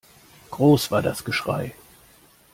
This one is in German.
Groß war das Geschrei.